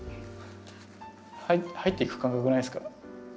入っていく感覚ないですか？